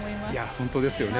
本当ですよね。